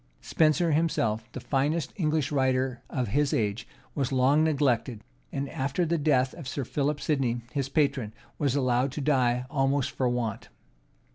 Spenser himself, the finest English writer of his age, was long neglected; and after the death of Sir Philip Sidney, his patron, was allowed to die almost for want.